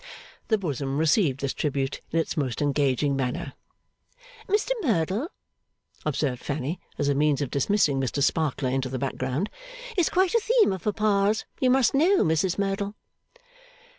The bosom received this tribute in its most engaging manner. 'Mr Merdle,' observed Fanny, as a means of dismissing Mr Sparkler into the background, 'is quite a theme of Papa's, you must know, Mrs Merdle.